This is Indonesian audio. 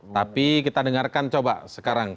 tapi kita dengarkan coba sekarang